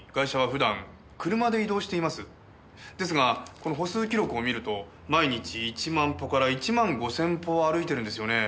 この歩数記録を見ると毎日１万歩から１万５０００歩歩いてるんですよねえ。